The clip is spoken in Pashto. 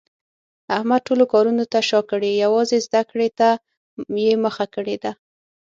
احمد ټولو کارونو ته شاکړې یووازې زده کړې ته یې مخه کړې ده.